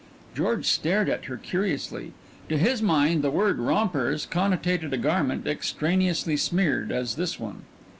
George stared at her curiously. To his mind the word rompers connotated a garment extraneously smeared, as this one.